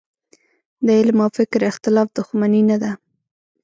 د علم او فکر اختلاف دوښمني نه ده.